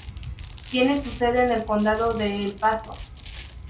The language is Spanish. Tiene su sede en el Condado de El Paso.